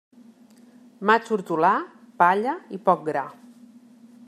Maig hortolà, palla i poc gra.